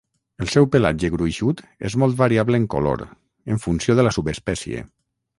El seu pelatge gruixut és molt variable en color, en funció de la subespècie.